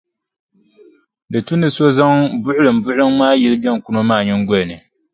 Di tu ni so zaŋ buɣilimbuɣiliŋ maa yili jaŋkuno maa nyiŋgoli ni.